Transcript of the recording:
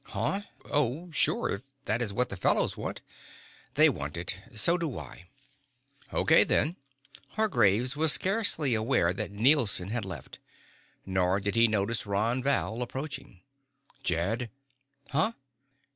"Huh? Oh, sure, if that is what the fellows want." "They want it. So do I." "Okay then." Hargraves was scarcely aware that Nielson had left. Nor did he notice Ron Val approaching. "Jed." "Huh?"